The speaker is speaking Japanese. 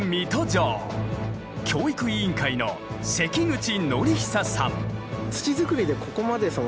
教育委員会の関口慶久さん。